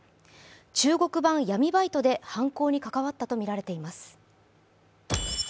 中国版闇バイトで犯行に関わったとみられています。